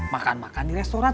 makan makan di restoran